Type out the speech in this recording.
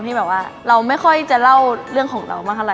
ที่แบบว่าเราไม่ค่อยจะเล่าเรื่องของเรามากเท่าไ